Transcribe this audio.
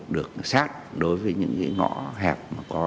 được sát đối với những ngõ hẹp